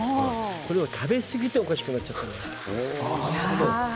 食べ過ぎておかしくなっちゃったの。